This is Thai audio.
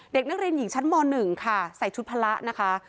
เด็กนักเรียนหญิงชั้นม๑ค่ะใส่ชุดพละนะคะ